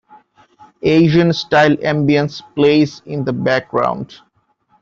Asian-style ambience plays in the background.